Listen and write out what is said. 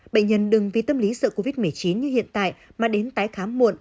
bệnh nhân đừng vì tâm lý sợ covid một mươi chín như hiện tại mà đến tái khám muộn